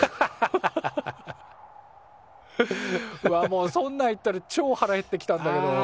もうそんなん言ったらちょ腹減ってきたんだけど。